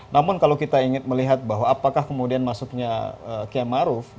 namun kalau kita ingin melihat bahwa apakah kemudian masuknya kiai ma'ruf bisa menang